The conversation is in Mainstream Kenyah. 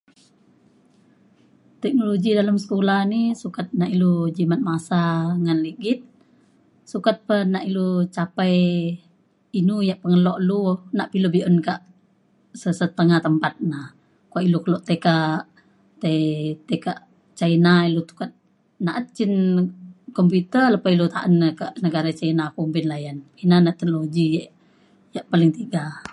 Teknologi dalem sekula ni sukat nak ilu jimat masa ngan ligit sukat pa nak ilu capai inu ia’ pengelo lu nak pa ilu be’un kak sesetengah tempat na. Kuak ilu tai kak tai kak tai kak China ilu sukat na’at cin komputer lepa ilu ta’an na kak negara China kumbin layan. Ina na teknologi yak yak paling tiga.